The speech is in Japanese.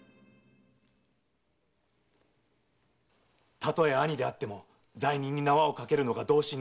たとえ兄であっても罪人に縄を掛けるのが同心の勤め。